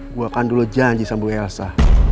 gue akan dulu janji sama bu elsa